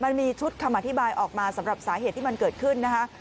มันมีชุดคำอธิบายออกมาสำหรับสาเหตุที่มันเกิดขึ้นนะคะ